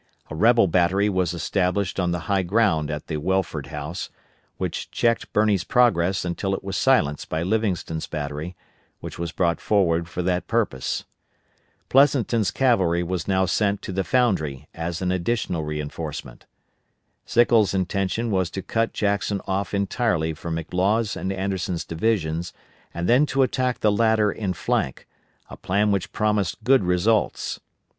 A rebel battery was established on the high ground at the Welford House, which checked Birney's progress until it was silenced by Livingston's battery, which was brought forward for that purpose. Pleansonton's cavalry was now sent to the Foundry as an additional reinforcement. Sickles' intention was to cut Jackson off entirely from McLaws' and Anderson's divisions, and then to attack the latter in flank, a plan which promised good results.